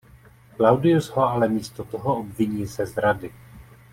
Claudius ho ale místo toho obviní ze zrady.